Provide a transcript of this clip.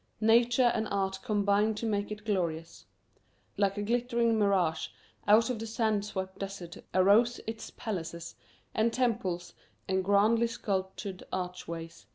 Nature and art combined to make it glorious. Like a glittering mirage out of the sand swept desert arose its palaces and temples and grandly sculptured archways.